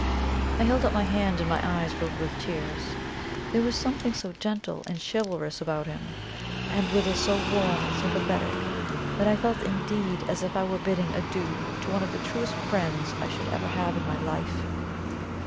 I held out my hand, and my eyes filled with tears. There was something so gentle and chivalrous about him, and withal so warm and sympathetic, that I felt indeed as if I were bidding adieu to one of the truest friends I should ever have in my life.